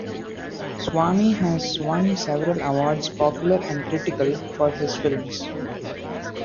Swamy has won several awards, popular and critical, for his films.